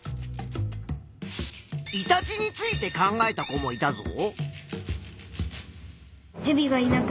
イタチについて考えた子もいたぞ。